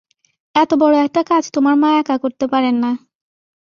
এত বড় একটা কাজ তোমার মা একা করতে পারেন না।